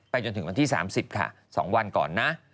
จนถึงวันที่๓๐ค่ะ๒วันก่อนนะ